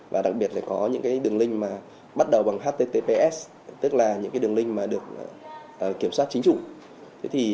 và đặc biệt là có những đường link bắt đầu bằng https tức là những đường link mà được kiểm soát chính chủ